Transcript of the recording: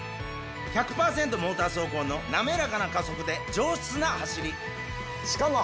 モーター走行の滑らかな加速で上質な走りしかも。